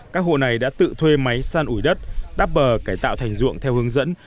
các hộ này đã tự thuê máy san ủi đất đắp bờ cải tạo thành ruộng theo hướng dẫn